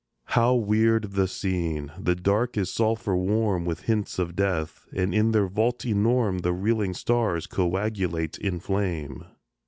How weird the scene! The Dark is sulphur warm With hints of death; and in their vault enorme The reeling stars coagulate in flame.